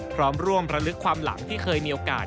พร้อมร่วมระลึกความหลังที่เคยมีโอกาส